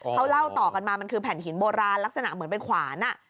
เขาเล่าต่อกันมามันคือแผ่นหินโบราณลักษณะเหมือนเป็นขวาน